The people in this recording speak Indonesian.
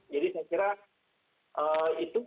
jadi saya kira itu